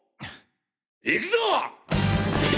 行くぞ！！